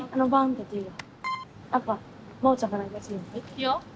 いくよ。